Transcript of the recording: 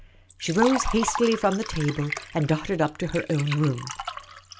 She rose hastily from the table, and darted up to her own room.